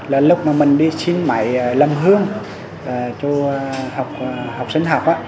là lúc mà mình đi xin máy làm hương cho học sinh học